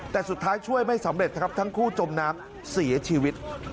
แต่สุดท้ายช่วยไม่สำเร็จนะครับทั้งคู่จมน้ำเสียชีวิต